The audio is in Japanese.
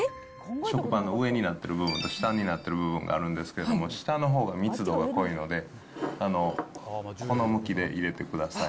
食パンの上になっている部分と下になってる部分があるんですけども、下のほうが密度が濃いので、この向きで入れてください。